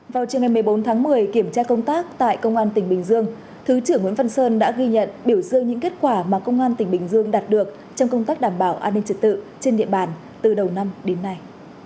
vào trường ngày một mươi bốn tháng một mươi kiểm tra công tác tại công an tỉnh bình dương thứ trưởng nguyễn văn sơn đã ghi nhận biểu dương những kết quả mà công an tỉnh bình dương đạt được trong công tác đảm bảo an ninh trật tự trên địa bàn từ đầu năm đến nay